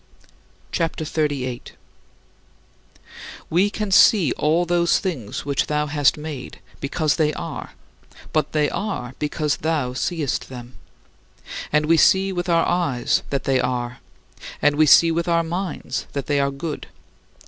CHAPTER XXXVIII 53. We can see all those things which thou hast made because they are but they are because thou seest them. And we see with our eyes that they are, and we see with our minds that they are good.